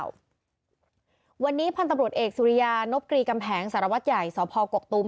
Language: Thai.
วันนี้พันธบรุษเอกสุริยานบกรีกำแผงสารวัตย์ใหญ่สพกกตุ้ม